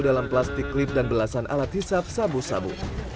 dalam plastik klip dan belasan alat hisap sabu sabu